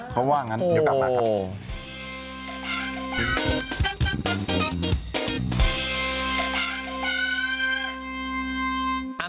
เขาว่างั้นเดี๋ยวกลับมาครับ